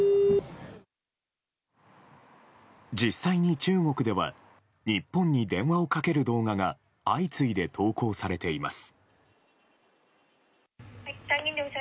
実際に中国では日本に電話をかける動画が相次いで投稿されています。